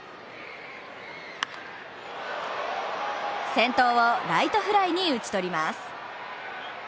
先頭をライトフライに打ち取ります。